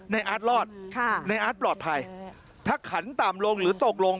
ในอาจรอดในอาจปลอดภัยถ้าขันต่ำลงหรือตกลง